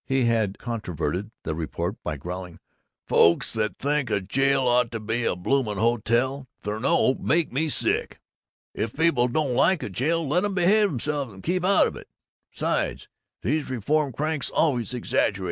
He had controverted the report by growling, "Folks that think a jail ought to be a bloomin' Hotel Thornleigh make me sick. If people don't like a jail, let 'em behave 'emselves and keep out of it. Besides, these reform cranks always exaggerate."